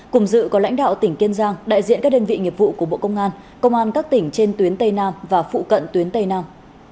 cùng dự có lãnh đạo tỉnh kiên giang đại diện các đơn vị nghiệp vụ của bộ công an công an các tỉnh trên tuyến tây nam và phụ cận tuyến tây nam